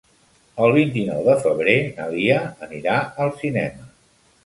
El vint-i-nou de febrer na Lia anirà al cinema.